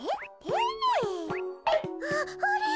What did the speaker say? あっあれ？